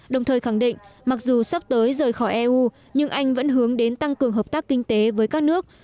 đồng thời khẳng định mặc dù sắp tới rời khỏi eu nhưng anh vẫn hướng đến tăng cường hợp tác kinh tế với các nước